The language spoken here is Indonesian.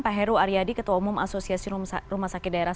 pak heru aryadi ketua umum asosiasi rumah sakit daerah